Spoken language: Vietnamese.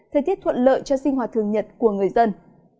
thời tiết thuận lợi cho sinh hoạt thường nhật của người dân